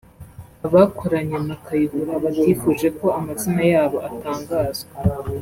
abakoranye na Kayihura batifuje ko amazina yabo atangazwa